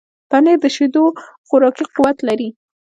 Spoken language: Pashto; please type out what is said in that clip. پنېر د شیدو خوراکي قوت لري.